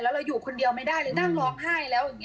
แล้วเราอยู่คนเดียวไม่ได้เลยนั่งร้องไห้แล้ว